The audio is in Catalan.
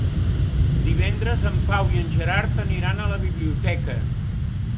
Divendres en Pau i en Gerard aniran a la biblioteca.